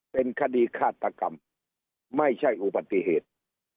เป็นคดีฆาตกรรมไม่ใช่อุบัติเหตุ